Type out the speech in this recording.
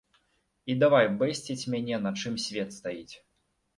І давай бэсціць мяне на чым свет стаіць.